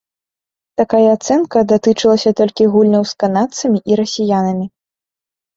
Такая ацэнка датычылася толькі гульняў з канадцамі і расіянамі.